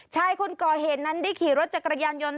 ชายคนก่อเหตุนั้นได้ขี่รถจักรยานยนต์